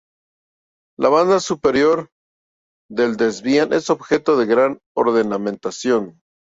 La banda superior del desván es objeto de gran ornamentación.